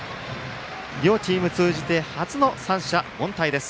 両チーム通じて初の三者凡退です。